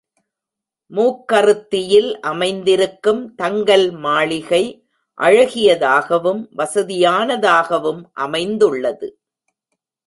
மூக்கறுத்தியில் அமைந்திருக்கும் தங்கல் மாளிகை அழகியதாகவும், வசதியான தாகவும் அமைந்துள்ளது.